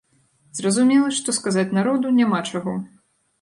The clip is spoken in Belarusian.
Зразумела, што сказаць народу няма чаго.